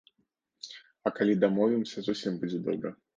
А калі дамовімся, зусім будзе добра.